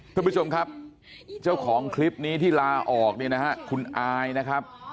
ทุกผู้ชมครับเจ้าของคลิปนี้ที่ลาออกคุณอายน่ะครับ